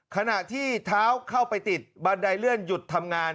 ขณะที่เท้าเข้าไปติดบันไดเลื่อนหยุดทำงาน